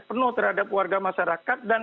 penuh terhadap warga masyarakat dan